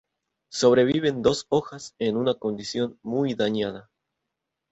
Sobreviven dos hojas en una condición muy dañada.